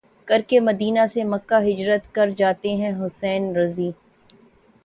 کرکے مدینہ سے مکہ ہجرت کر جاتے ہیں حسین رض